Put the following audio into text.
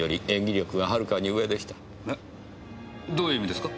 どういう意味ですか？